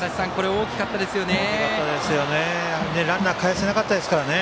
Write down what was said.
大きかったですよね。